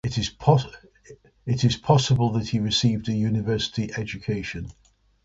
It is possible that he received a university education.